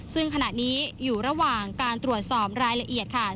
ซึ่งขณะนี้อยู่ระหว่างการตรวจสอบรายละเอียดค่ะ